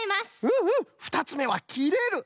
うんうんふたつめは「きれる」！